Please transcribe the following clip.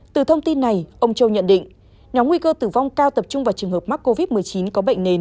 từ thông tin này ông châu nhận định nếu nguy cơ tử vong cao tập trung vào trường hợp mắc covid một mươi chín